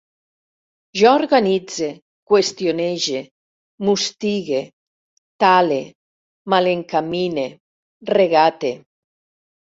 Jo organitze, qüestionege, mustigue, tale, malencamine, regate